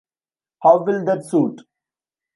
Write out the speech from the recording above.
How will that suit?